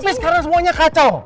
tapi sekarang semuanya kacau